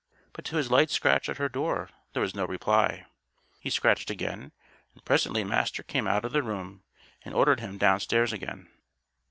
But to his light scratch at her door there was no reply. He scratched again and presently Master came out of the room and ordered him down stairs again.